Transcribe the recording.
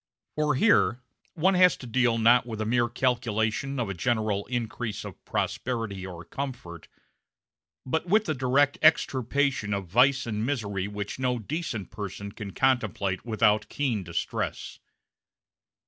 For here one has to deal not with a mere calculation of a general increase of prosperity or comfort, but with the direct extirpation of vice and misery which no decent person can contemplate without keen distress.